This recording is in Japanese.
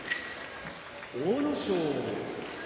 阿武咲